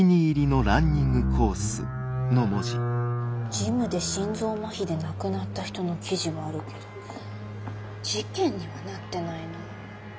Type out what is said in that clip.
ジムで心臓まひで亡くなった人の記事はあるけど事件にはなってないな。